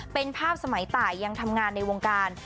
เป็นภาพสมัยตายยังทำงานในวงการ